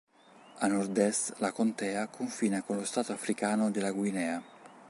A Nord-Est la contea confina con lo stato africano della Guinea.